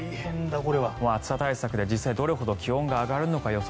暑さ対策で実際、どれほど気温が上がるのか予想